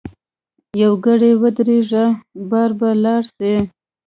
یوګړی ودریږه باره به ولاړ سی.